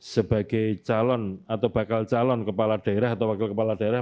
sebagai calon atau bakal calon kepala daerah atau wakil kepala daerah